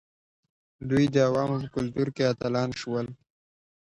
دوی د عوامو په کلتور کې اتلان شول.